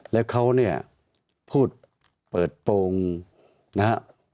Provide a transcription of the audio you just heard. แล้วเขาเนี่ยพูดเปิดโปรงนะฮะ